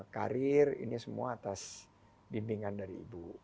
karir ini semua atas bimbingan dari ibu